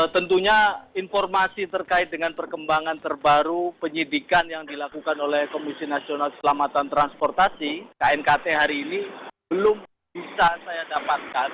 tentunya informasi terkait dengan perkembangan terbaru penyidikan yang dilakukan oleh komisi nasional selamatan transportasi knkt hari ini belum bisa saya dapatkan